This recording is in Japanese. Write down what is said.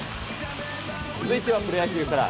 続いてはプロ野球から。